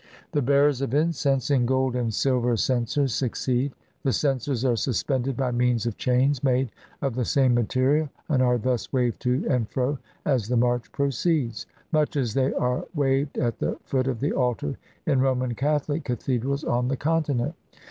The bearers of incense, in gold and silver censers, succeed. The censers are suspended by means of chains made of the same material, and are thus waved to and fro, as the march proceeds — much as they are waved at the foot of the altar in Roman Catholic cathedrals on the Continent.